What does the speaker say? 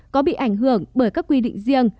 có bị ảnh hưởng bởi các quy định riêng